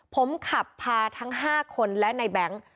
ผมขับพาทั้ง๕คนและในแบงค์